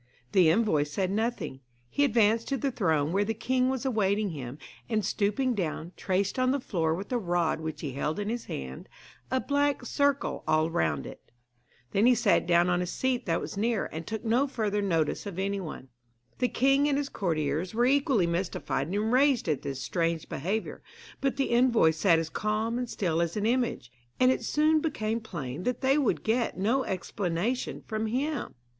The envoy said nothing. He advanced to the throne where the king was awaiting him, and stooping down, traced on the floor with a rod which he held in his hand a black circle all round it. Then he sat down on a seat that was near, and took no further notice of anyone. The king and his courtiers were equally mystified and enraged at this strange behaviour, but the envoy sat as calm and still as an image, and it soon became plain that they would get no explanation from him.